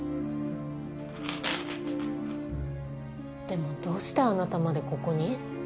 でもどうしてあなたまでここに？